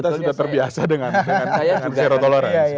kita sudah terbiasa dengan zero tolerance